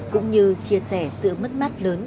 cũng như chia sẻ sự mất mắt lớn